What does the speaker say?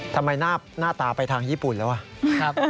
ทำไมหน้าตาไปทางญี่ปุ่นแล้ววะ